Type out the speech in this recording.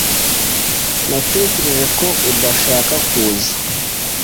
Natekereje ko udashaka kuza.